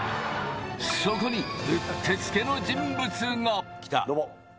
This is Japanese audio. そこに、うってつけの人物が。